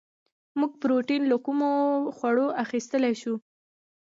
موږ پروټین له کومو خوړو اخیستلی شو